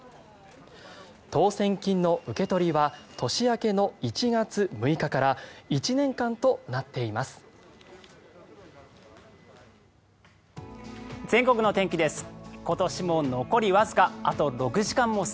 当選金の受け取りは年明けの１月６日から１年間となっています。